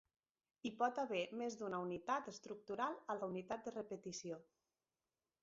Hi pot haver més d'una unitat estructural a la unitat de repetició.